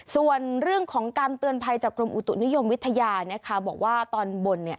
ส่วนเรื่องของการเตือนภัยจากกรมอุตุนิยมวิทยานะคะบอกว่าตอนบน